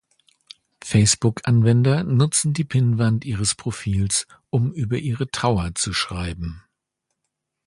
Facebook-Anwender nutzen die Pinnwand ihres Profils, um über ihre Trauer zu schreiben.